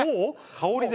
香りで？